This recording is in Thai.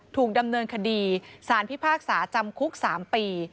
ถูกดำเนินคดีสารพิพากษาจำคุก๓ปี